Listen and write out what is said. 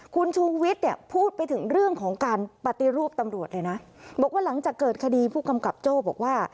คุณชูวิทย์เนี่ยพูดไปถึงเรื่องของการปฏิรูปตำรวจเลยนะบอกว่าหลังจากเกิดคดีผู้กำกับโจ้บอกว่า